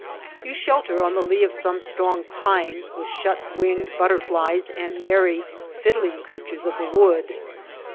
You shelter on the lee of some strong pine with shut winged butter flies and merry, fiddling creatures of the wood.